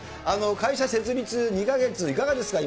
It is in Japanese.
会社設立２か月、いかがですか？